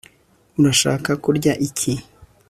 Urashaka kurya iki